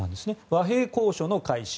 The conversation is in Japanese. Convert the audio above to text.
和平交渉の開始